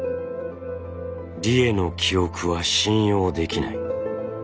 理栄の記憶は信用できない。